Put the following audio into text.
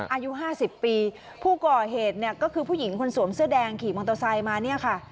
อายุห้าสิบปีผู้ก่อเหตุเนี่ยก็คือผู้หญิงคนสวมเสื้อแดงขี่มอเตอร์ไซค์มาเนี่ยค่ะ